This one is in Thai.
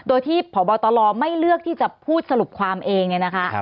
โดยที่พบตรไม่เลือกที่จะพูดสรุปความเองเนี่ยนะคะ